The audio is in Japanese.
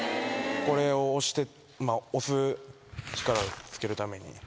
これを押す力を付けるために。